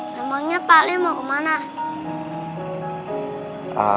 memangnya pak le mau kemana